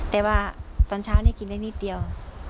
แต่ว่าตอนเช้านี่กินได้นิดเดียว